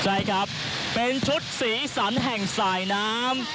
ใช่ครับเป็นชุดสีสันแห่งสายน้ำ